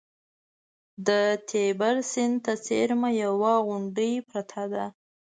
د تیبر سیند ته څېرمه یوه غونډۍ پرته ده